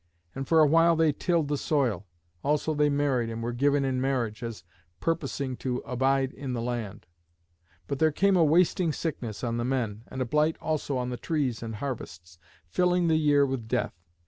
And for a while they tilled the soil; also they married and were given in marriage, as purposing to abide in the land. But there came a wasting sickness on the men, and a blight also on the trees and harvests, filling the year with death.